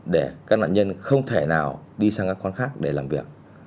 để các nạn nhân không thể nào đi sang các quán khác để làm việc